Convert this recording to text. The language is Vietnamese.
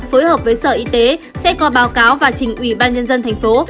phối hợp với sở y tế sẽ có báo cáo và trình ủy ban nhân dân thành phố